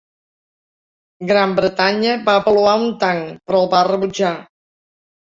Gran Bretanya va avaluar un tanc, però el va rebutjar.